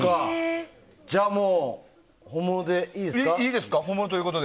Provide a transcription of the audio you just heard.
じゃあもう本物でいいですか？